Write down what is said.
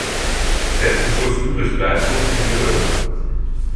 Wer zum Schluss übrig bleibt, guckt in die Röhre.